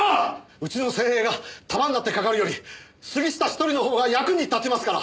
うちの精鋭が束になってかかるより杉下一人の方が役に立ちますから。